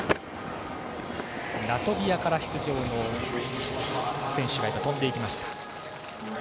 ラトビアから出場の選手が飛んで行きました。